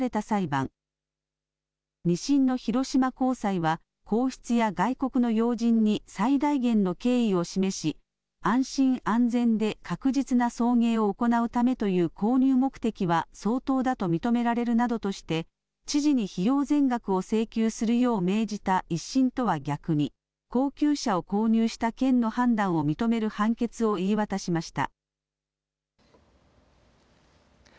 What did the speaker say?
２審の広島高裁は皇室や外国人の要人に最大限の敬意を示し安心安全で確実の送迎を行うためという購入目的は相当だと認められるなどとして知事に費用全額を請求するよう命じた１審とは逆に高級車を購入した県の判断を認める判決を言い渡しました。